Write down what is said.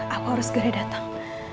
aku harus segera datang